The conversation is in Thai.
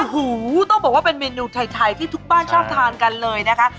โอ้โหต้องบอกว่าเป็นเมนูไทยที่ทุกบ้านชอบทานกันเลยนะคะ